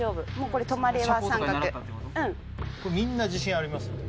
これみんな自信ありますよね？